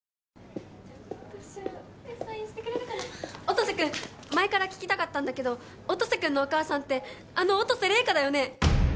音瀬君前から聞きたかったんだけど音瀬君のお母さんってあの音瀬麗華だよね？